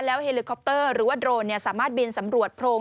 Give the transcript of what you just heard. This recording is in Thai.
เฮลิคอปเตอร์หรือว่าโดรนสามารถบินสำรวจโพรง